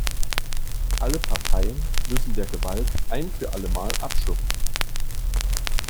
Alle Parteien müssen der Gewalt ein für allemal abschwören.